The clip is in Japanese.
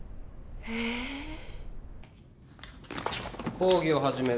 講義を始める。